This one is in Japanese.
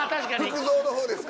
福造の方ですか？